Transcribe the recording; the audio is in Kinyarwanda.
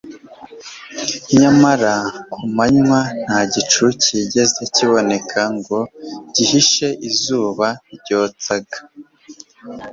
Nyamara ku manywa nta gicu cyigeraga kiboneka ngo gihishe izuba ryotsaga